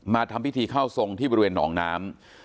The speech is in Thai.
ทำพิธีเข้าทรงที่บริเวณหนองน้ำ